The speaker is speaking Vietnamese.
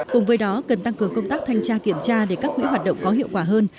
cùng với đó cần tăng cường công tác thanh tra kiểm tra để các quỹ hoạt động có hiệu quả hơn